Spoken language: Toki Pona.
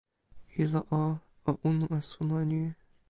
ilo o, o unu e suno ni.